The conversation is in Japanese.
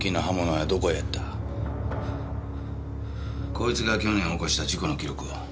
こいつが去年起こした事故の記録を。